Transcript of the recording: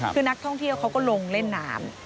คือนักท่องเที่ยวเขาก็ลงเล่นน้ำ